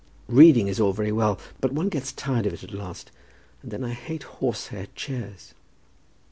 Reading is all very well, but one gets tired of it at last. And then I hate horse hair chairs."